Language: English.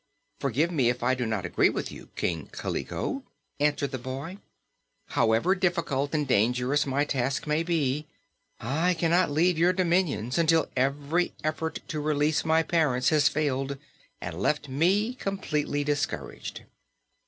"Forgive me if I do not agree with you, King Kaliko," answered the boy. "However difficult and dangerous my task may be, I cannot leave your dominions until every effort to release my parents has failed and left me completely discouraged."